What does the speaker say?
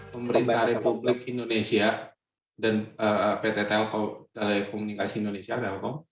pemerintah republik indonesia dan pt telkom telekomunikasi indonesia telkom